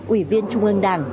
ủy viên trung ương đảng